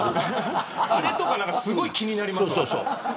あれとかすごい気になります。